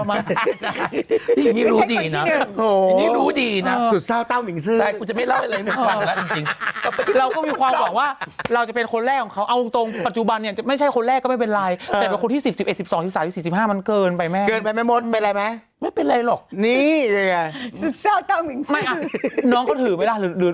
หรือผู้ชายเขาโอเคไหมล่ะ